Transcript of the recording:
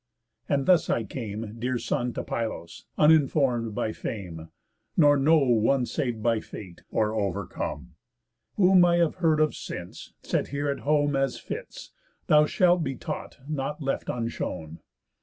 And thus I came, Dear son, to Pylos, uninform'd by fame, Nor know one sav'd by Fate, or overcome. Whom I have heard of since, set here at home, As fits, thou shalt be taught, nought left unshown.